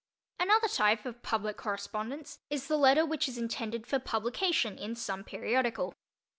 Another type of public correspondence is the letter which is intended for publication in some periodical.